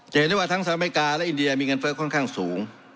เห็นได้ว่าทั้งสหรัฐอเมริกาและอินเดียมีเงินเฟ้อค่อนข้างสูง